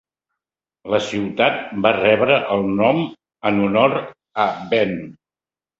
La ciutat va rebre el nom en honor a Ben.